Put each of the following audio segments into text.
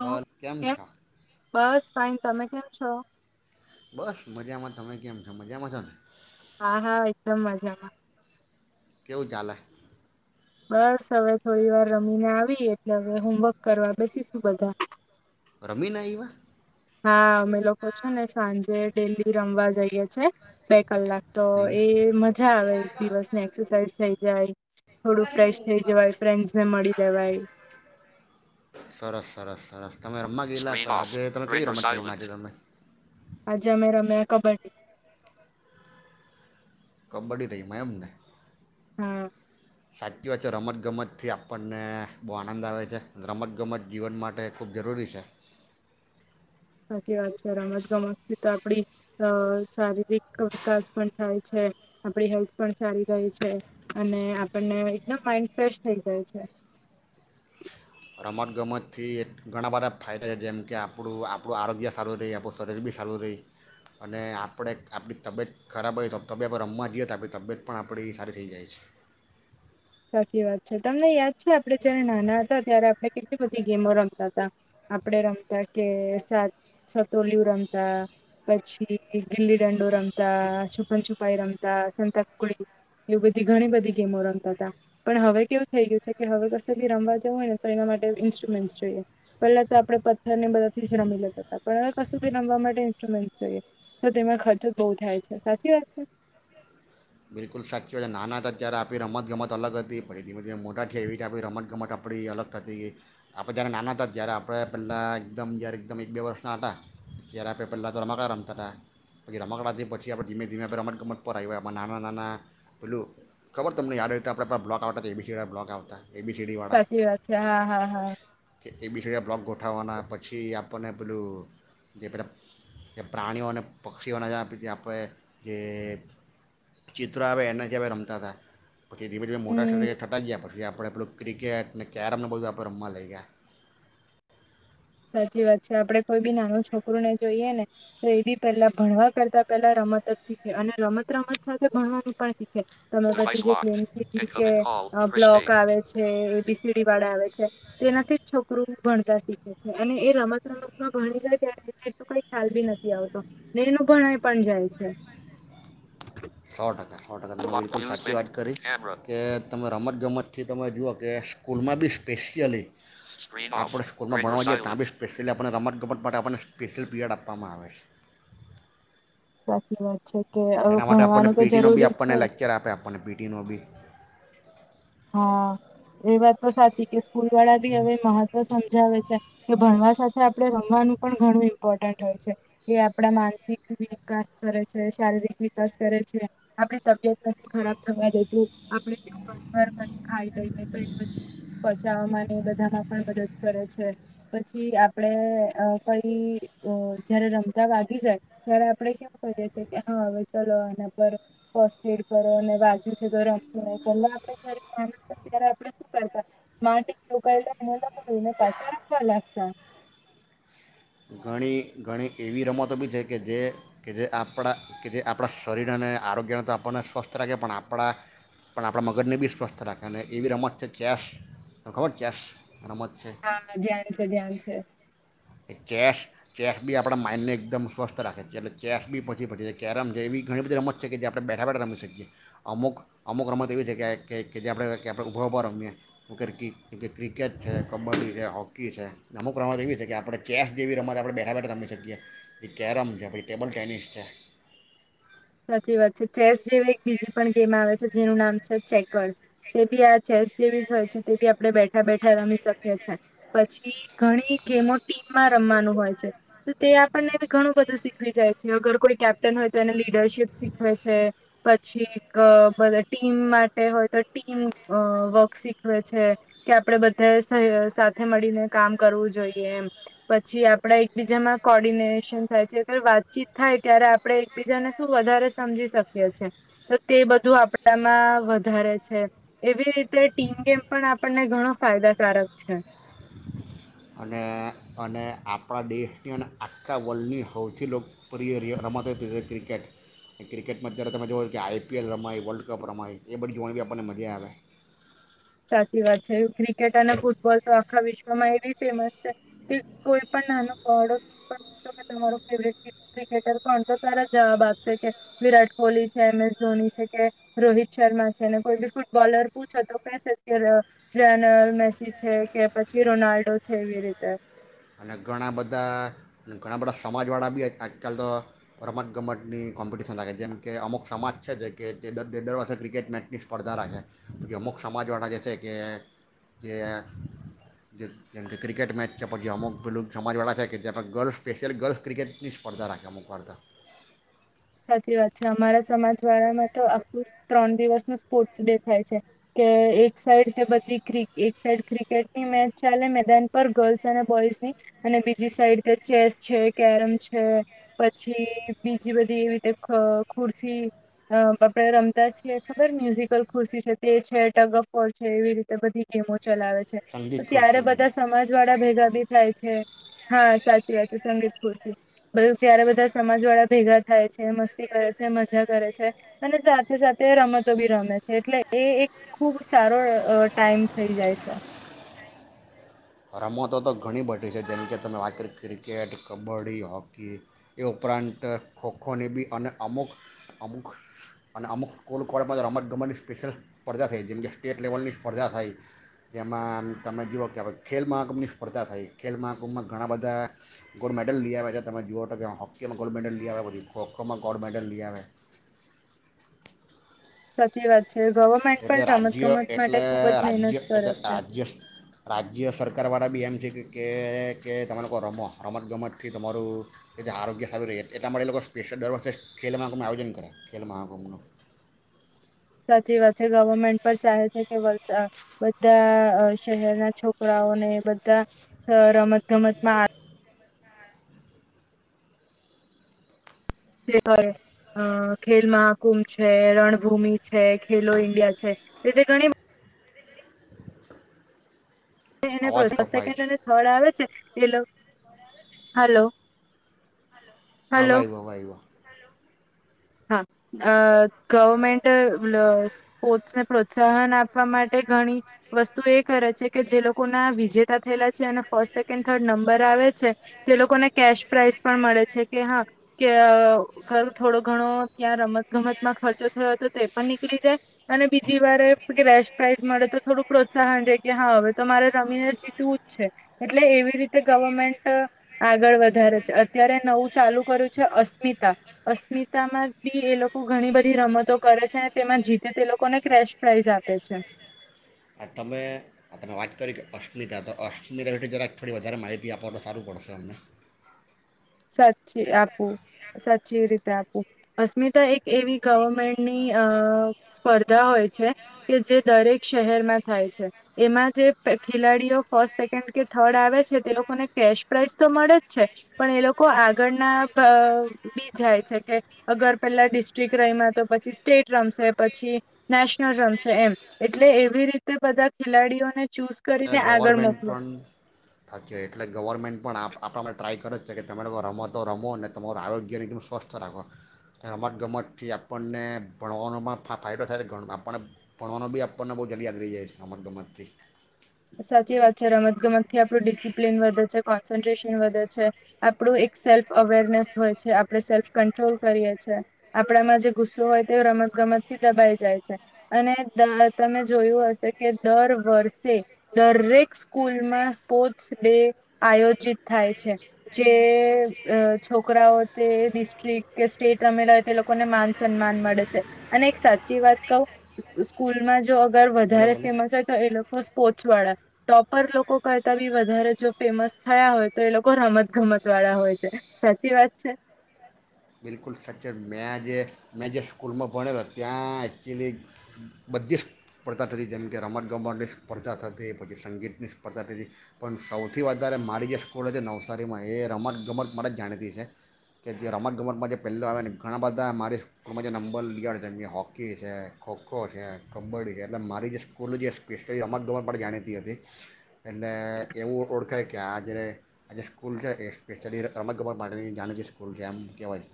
હાલ કેમ છે ફાઈન તમે કેમ છો બસ મજામાં તમે કેમ છો મજામાં છો ને હા હા એકદમ મજામાં કેવું ચાલે બસ હવે થોડી વાર રમીને આવી એટલે હવે હોમવર્ક કરવા બેસીશું બધા રમીને આવયા હા અમે લોકો છે ને સાંજે ડેલી રમવા જઈએ છે કલાક તો હમ એ મજા આવે એક દિવસ ની એક્સરસાઇઝ થઈ જાય થોડું ફ્રેશ થઈ જવાય ફ્રેન્ડ્સને મળી લેવાય સરસ સરસ સરસ તમે રમવા ગયેલા ત કઈ રમજ રમી આજે તમે આજે અમે રમ્યા કબડ્ડી કબડ્ડી રહી મા એમને હા સાચી વાત છે રમતગમતથી આપણને બહુ આનંદ આવે છે રમતગમત જીવન માટે ખૂબ જરૂરી છે સાચી વાત છે રમત ગમત થી તો આપડી શારીરિક વિકાસ પણ થાય છે આપડી હેલ્થ પણ સારી રહે છે અને આપણને એકદમ માઈન્ડ ફ્રેશ થઈ જાય છે રમત ગમતથી ઘણા બધા ફાયદા છે જેમ કે આપણું આપણું આરોગ્ય સારું રહે આપણું શરીર બી સારું રહે અને આપણે આપણી તબિયત ખરાબ હોય તો તબિયત રમવા જઈએ તો આપણી તબિયત પણ આપણી સારી થઈ જાય છે સાચી વાત છે તમને યાદ છે આપડે જયારે નાના હતા ત્યારે આપણે કેટલી બધી ગેમો રમતા હતા આપડણે રમતા કે સા સતોલિયું રમતા પછી ગીલી દંડો રમતા છુપન છુપાઈ રમતા સંતાકુકડી એવી બધી ઘણી બધી ગેમો રમતા હતા પણ હવે કેવું થઈ ગયું છે કે હવે કશું ભી રમવા જવું હોય ને તો એના માટે ઈન્સ્ટ્રુમેન્ટ્સ જોઈએ પહેલા તો આપણે પથ્થરને બધા જ રમી લેતા હતા પણ હવે કશું ભી રમવા માટે ઈન્સ્ટ્રુમેન્ટ જોઈએ તો તેમાં ખર્ચો જ બહુ થાય છે સાચી વાત છે બિલકુલ સાચી હો છે નાના હતા ત્યારે આપણી રમતગમત અલગ હતી પછી ધીમે ધીમે મોાઠી આવી હતી આપણી રમત ગમત આપણી અલગ થતી આપણે જ્યારે નાના હતા ત્યારે આપણે પહેલા એકદમ જ્યારે એકદમ એક બે વર્ષના હતા ત્યારે આપણે પહેલા રમકડા રમતા હતા પછી રમકડાથી પછી આપણે ધીમે ધીમે આપ રમત ગમત પર આવી આપણે નાના નાના નાના પેલું ખબર તમને યાદ રહેતે આપણા બ્લોક આવતા હતા એ બીસીવાળા બ્લોક આવતા એબીસીડીવાળા સાચી વાત છે હા હા હા કે એ બી કો ડી ના બ્લોક ગોઠવવાના પછી આપણને પેલું જે પેલા પ્રાણીઓ અને પક્ષીઓના જ્યા પી આપણે જે ચિત્રો આવે એના સાથે રમતા હતા પછી ધીમે ધીમે મોટા હમ. થઈ ગયા પશે આપણે પેલું ક્રિકેટ ને કેરમને બધું આપણે રમવા લઈ ગયા સાચી વાત છે આપડે કોઈ બી નાનું છોકરું ને જોઈએ ને તો એ બી પેલા ભણવા કરતા પેલા રમત જ શીખે અને રમત રમત સાથે ભણવાનું પણ શીખે તમે બધી જે ગેમ કીધી કે બ્લોક આવે છે એબીસીડી વાળા આવે છે તેનાથી જ છોકરું ભણતા શીખે અને એ રમત રમતમાં ભણી જાય ત્યારે એટ કઈ ખ્યાલ ભી નથી આવતો ને એનું ભણાય પણ જાય છે સો ટકા સો ટકા તમે સાચી વાત કરી કે તમે રમત ગમતથી તમે જઓ કે સ્કૂલમાં બી સ્પેશિયલીૂલ ભણ ત્યાલી રમત ગમત માટે પીરયડ આપવામાં આવે છે સાચી વાત છે કે અ એના માટે આપણને ભણવાનું તો પીટીનો બી જરૂરી છે આપણને જ લેક્ચર આપે આપણને પીટીનો બી હા એ વાત તો સાચી કે સ્કૂલ વાળા બી હવે મહત્વ સમજાવે છે કે ભણવા સાથે આપડણે રમવાનું પણ ઘણું ઇમ્પોર્ટન્ટ હોય છે કે આપડા માનસિક વિકાસ કરે છે શારીરિક વિકાસ કરે છે આપણી તબિયત બ ખરાબ થવા દેતું આપણેુંર ખાઈ લઈને કઈ બધું પચાવા બધામાં પણ મદદ કરે છે પછી આપણેે કઈ જયારે રમતા વાગી જાય ત્યારે આપણેે કેમ કરીએ છી કે હા હવે ચલો આના પર ફસ્ટ એડ કરો ને વાગ્યું છે તો રમશું નહી પેલા આપડણે જયારે ત્યારે આપણે શું કરતા માટી ઉલા એને લગને પાછા રમવા લાગતા ઘણી ઘણી એવી રમતો બી છે કે જે કે જે આપણા કે જે આપણાં શરીર અને આરોગ્યને તો આપણને સ્વસ્થ રાખે પણ આપણા પણ આપણા મગજને બી સ્વસ્થ રાખે અને એવી રમત છે ચેસ તો ખબર ચેસ રમત છે હા ધ્યાન છે ધ્યાન છે એ ચેસ ચેસ બી આપણા માઇન્ડને એકદમ સ્વસ્થ રાખે છીએ એટલે ચેસ બી પછી પછી કેરમ છે એવી ઘણી બધી રમત છે કે જે આપણે બેઠા બેઠા રમી શકીએ અમુક અમુક રમત એવી છે કે જે આપણે આપણે ઊભા ઉઊભા રમીએ ક્રિકેટ છે કબડ્ડી છે હોકી છે અમુક રમત એવી છે કે આપણે ચેસ જેવી રમત આપણે બેઠા બેઠા રમી શકીએ એ કેરમ છે પછી ટેબલ ટેનિસ છે સાચી વાત છે ચેસ જેવી એક બીજી પણ ગેમ આવે છે જેનું નામ છે ચેકર્સ તે બી આ ચેસ જેવી હોય છે તે બી આપણે બેઠા બેઠા રમી શકીએ છે પછી ઘણી ગેમો ટીમમાં રમવાનું હોય છે તો તે આપણને બી ઘણું બધું શીખવી જાય છે અગર કોઈ કેપ્ટન હોય તો એને લીડરશપ શીખવે છે પછી ટીમ માટે હોય તો ટીમ વર્ક શીખવે છે કે આપડે બધા સાથે મળીને કામ કરવું જોઈએ એ પછી આપડા એકબીજામાં કોર્ડિનેશન થાય છે અ વાતચીત થાય ત્યારે આપણે એકબીજાને વધારે સમજી શકી છે તો તે બધું આપણામાં વધારે છે એવી રીતે ટીમ ગેમ પણ આપણને ઘણો ફાયદાકારક છે અને અને આપણા દેશની અને આખા વર્લ્ડની સૌથી લોકપ્રિય રમાતો ક્રિકેટ ક્રિકેટમાં જ્યારે તમે જોઓ કે આઈપીએલ રમાય વર્લ્ડ કપ રમાય એ બધી જોવાની બી આપણને મજા આવે સાચી વાત છે ક્રિકેટ અને ફૂટબોલ તો આખા વિશ્વમાં એવી ફેમસ છે કે કોઈ પણ નાનો કહડો પણ પૂછો કે તમારો ફેવરેટ ક્રિકેટર કોણ તો તારા જવાબ આપશે કે વિરાટ કોહલી છે એમ એસ ધોની છે કે રોહિત શર્મા છે અનેને કોઈ બી ફૂટબોલર પૂછો તો કે લાયોનેલ મેસી છે કે પછી રોનાલ્ડો છેવી રીતે અને ઘણા બધા ઘણા બધા સમાજવાળા બી આજકાલ તો રમતગમતની કોમ્પિટિશન રાખે જેમ કે અમુક સમાજ છે જે કે તે દર દર દર વર્ષે ક્રિકેટ મેચની સ્પર્ધા રાખે પછી અમુક સમાજવાળા જે છે કે તે જે જેમકે ક્રિકેટ મેચ છે પછી અમુક પેલુ સમાજવાળા થ કે ત્યાં ગર્લ્સ સ્પેશિયલી ગર્લ્સ ક્રિકેટની સ્પર્ધા રાખે અમુકતા સાચી વાત છે અમારા સમાજ વાળામાં તો આખું ત્રણ દિવસ નું સ્પોર્ટ્સ ડે થાય છે કે એક સાઈડ તે બધી્ર એક સાઈડ ક્રિકેટની મેચ ચાલે મેદાન પર ગર્લ્સ અને બોઈસની અને બીજી સાઈડ તે ચેસ છે કેરમ છે પછી બીજી બધી એવી રીતે ખુરશી આપડે રમતા છીએ ખબર મ્યુઝિકલ ખુરશી છે તે છે ટગ ઓફ વોર છે એવી રીતે બધી ગેમો ચલાવે છે તો સંગીત ત્યારે ખુરશીની બધા સમાજ વાળા ભેગા ભી થાય છે હા સાચી વાત છે સંગીત ખુર છે બધ ત્યારે બધા સમાજ વાળા ભેગા થાય છે મસ્તી કરે છે મજા કરે છે અને સાથે સાથે રમતો બી રમે છે એટલે એ એક ખૂબ સારો ટાઈમ થઈ જાય છે રમતો તો ઘણી બધી છે જેમકે તમે વાત કરી ક્રિકેટ કબડ્ડી હોકી એ ઉપરાંત ખોખોની બી અને અમુક અમુક અને અમુક સ્ૂલ કૉલેજ રમત ગમતની સ્પેશિયલ સ્પર્ધા થઈ જેમ કે સ્ટેટ લેવલની સ્પર્ધા થઈ જેમાં તમે જુઓ કે ખેલ મહાકુંભની સ્પર્ધા થઈ ખેલ મહાકુંભમાં ઘણા બધા ગોલ્ડ મેડલ લઈ આવે્યા તમે જુઓ તો કે હોકીમાં ગોલ્ડ મેડલ લઈ આવે પછી ખો ખોમાં ગોલ્ડ મેડલ લઈ આવે સાચી વાત છે ગવર્મેન્ટ એટલે પણ રમત રાજ્ય ગમત માટે એટલે ખૂબ જ મહેનત રાજ્ય એ કરે છે રાજ્ય રાજ્ય સરકારવાળા બી એમ છે કે કે કે તમે લોકો રમો રમતગમતથી તમારું એ આરોગ્ય સારું રહે એટલા માટે એ લોકો સ્પેશિયલ દર વર્ષે ખેલ મહાકુંભનું આયોજન કરે ખેલ મહાકુંભનું સાચી વાત છે ગવર્મેન્ટ પણ ચાહે છે કે બધા શહેરના છોકરાઓને બધા રમત ગમતમાં જે હોય ખેલ મહાકુંભ છે રણભૂમિ છે ખેલો ઈન્ડિયા છે એ ઘણી અવાજ એને કપાય સેકન્ડ છે અને થર્ડ આવે છે હલો હલો હા વાય વા વાય હા અ ગવર્મેન્ટ સ્પોર્ટસને પ્રોત્સાહન આપવા માટે ઘણી વસ્તુ એ કરે છે કે જે લોકોના વિજેતા થયેલા છે અને ફર્સ્ટ સેકન્ડ થર્ડ નંબર આવે છે તે લોકોને કેશ પ્રાાઈઝ પણ મળે છે કે હા કે ખરું થોડુંક ઘણો ત્યાં રમતગમતમાં ખર્ચો થયો હતો તે પણ નીકળી જાય અને બીજી વાર કેશ પ્રાાઈઝ મળે તો થોડું પ્રોત્સાહન રહેે કે હા હવે તો મારે રમીને જીતવું જ છે એટલે એવી રીતે ગવર્મેન્ટ આગળ વધારે છે અત્યારે નવું ચાલુ કર્યું છે અસ્મિતા અસ્મિતા રતામાં બી એ લોકો ઘણી બધી રમતો કરે છે અને તેમાં જીતે તે લોકોને ક્રેશ પ્રાાઈઝ આપે છે તમે તમે વાત કરી કે અશ્મિતા તો અશ્મિતા વેઠી જરાક થોડી વધારે માહિતી આપો તો સારું પડશે અમને સાચી આપું સાચી રીતે આપવું અસ્મિતા એક એવી ગવર્મેન્ટની અ સ્પર્ધા હોય છે કે જે દરેક શહેરમાં થાય છે એમાં જે ખેલાડીઓ ફર્સ્ટ સેકન્ડ કે થર્ડ આવે છે તે લોકોને કેશ પ્રાઈઝ તો મળે જ છે પણ એ લોકો કો આગળના બી જાય છે કે અગર પેલા ડિસ્ટ્રિક રમા તો પછી સ્ટેટ રમશે પછી નેશનલ રમશે એમ એટલે એવી રીતે બધા ખેલાડીઓને ચૂઝ એ કરીને આગળ ગવર્મેન્ટ મોકલો પણ થકી એટલે ગવર્મેન્ટ પણ આપ આપણા આપને ટ્રાય કરે જ છે કે તમે લોકો રમો તો રમો અનેને તમારું આરોગ્યને એકદમ સ્વસ્થ રાખો રમતગમતથી આપણને ભણવાનો પણ ફાયદો થાય તો આપણને ભણવાનો બી આપણને બહુ જલ્દી યાદ રહી જાય છે રમતગમતથી સાચી વાત છે રમતગમતથી આપણું ડિસિપ્લીિન વધે છે કોન્સન્ટ્રેશન વધે છે આપણું એક સેલ્ફ અવેરનેસ હોય છે આપણે સેલ્ફ કંટ્રોલ કરીએ છે આપણામાં જે ગુસ્સો હોય તે રમતગમતથી દબાઈ જાય છે અને તમે જોયું હશે કે દર વર્ષે દરેક સ્કૂલમાં સ્પોર્ટ્સ ડે આયોજિત થાય છે જે છોકરાઓ તે ડિસ્ટ્રિક કે સ્ટેટ રમેલા હોય તે લોકોને માન સન્માન મળે છે અને એક સાચી વાત કહું સ્કૂલમાં જો અગર બોલો વધારે બોલો ફેમસ હોય તો એ લોકો પોચ વાળા ટોપર લોકો કરતા બી વધારે જો ફેમસ થયા હોય તો એ લોકો રમત ગમત વાળા હોય છે સાચી વાત છે બિલકુલ સ્ટક્ચર મેં જે મેં જે સ્કૂલમાં ભણેલા ત્યાં એકચ્યુલી બધી જ સ્પર્ધા થતી જેમ કે રમત ગમતની સ્પર્ધા થતી પછી સંગીતની સ્પર્ધા થ હતી પણ સૌથી વધારે મારી જે સ્કૂલ છે નવસારીમાં એ રમત ગમત મારે જ જાણીતી છે કે જે રમત ગમતમાં જે પહેલાં આવે ને ઘણા બધા મારી સ્કૂલમાં જે નંબર લીધળ છે એ હોકી છે ખોખો છે કબડ્ડી છે એટલે મારી જે સ્કૂલની જે સ્પેશિયલી રમત ગબન માટે જાણીતી હતી એટલે એવું ઓળખે કે આજે આ જે સ્કૂલ છે એ સ્પેશિયલી રમતગબર પા જાણીતી સ્કૂલ છે એમ કહેવાય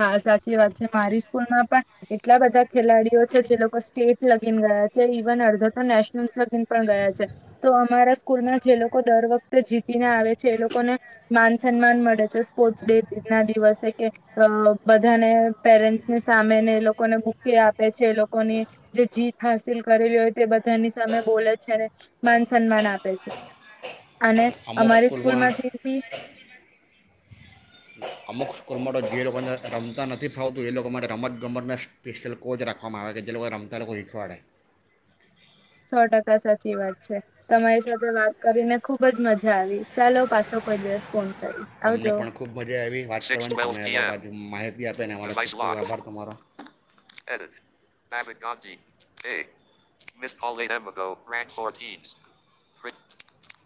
હા સાચી વાત છે મારી સ્કૂલમાં પણ એટલા બધા ખેલાડીઓ છે જે લોકો સ્ટેટ લગીને ગયા છે ઈવન અડધા તો નેશનલ્સ લગીને પણ ગયા છે તો અમારા સ્કૂલમાં જે લોકો દર વખતે જીતીને આવે છે એ લોકોને માન સન્માન મળે છે સ્પોર્ટ્સ ડે ના દિવસે કે અ બધાને પેરેન્ટ્સને સામે ને એ લોકોને બુકે આપે છે એ લોકોની જે જીત હાસિલ કરેલી હોય તે બધાની સામે બોલે છે અને માન સન્માન આપે છે અને અમુક અમારી સ્કૂલ સ્કૂલમાં માંથી બી અમુક સ્કૂલમાં તો જે લોકોને રમતા નથી ફાવતું એ લોકો માટે રમત ગમતને સ્પેશિયલ કોચ રાખવામાં આવે કે જે લોકો રમતા લોકો શીખવાડે સો ટકા સાચી વાત છે તમારી સાથે વાત કરીને ખુબ જ મજા આવી ચાલો પાછો કોઈ દિવસ ફોન કરીશ આવજો અમને પણ ખુબ મજા આવી વાતહ [inaudible]